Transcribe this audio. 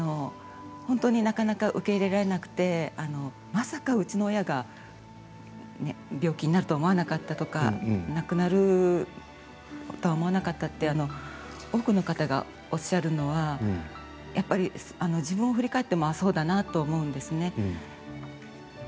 本当になかなか受け入れられなくてまさか、うちの親が病気になるとは思わなかったとか亡くなるとは思わなかったって多くの方がおっしゃるのはやっぱり自分を振り返ってもあっ、そうだなと思うんですね。